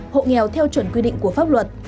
hộ nghèo theo chuẩn quy định của pháp luật